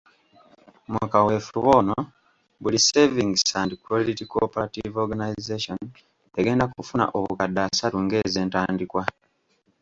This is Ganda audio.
Mu kaweefube ono buli Savings and Credit Cooperative Organisation egenda kufuna obukadde asatu ng'ezentandikwa.